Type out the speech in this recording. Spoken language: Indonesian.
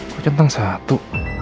gue centang satu